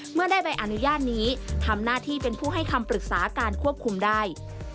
เมื่อได้ใบอนุญาตนี้ทำหน้าที่เป็นผู้ให้คำปรึกษาการควบคุมได้